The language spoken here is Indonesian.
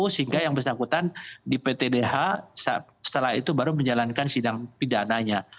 sehingga yang bersangkutan di ptdh setelah itu baru menjalankan sidang pidananya